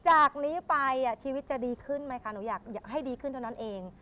จากนี้ไปชีวิตจะดีขึ้นไหมคะหนูอยากให้ดีขึ้นเท่านั้นเอง